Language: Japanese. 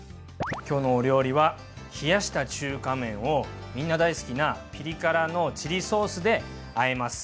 今日のお料理は冷やした中華麺をみんな大好きなピリ辛のチリソースであえます。